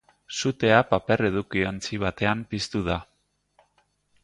Sutea paper-edukiontzi batean piztu da.